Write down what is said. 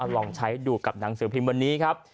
ลองใช้ดูกับหนังสือพิมพ์วันนี้ครับ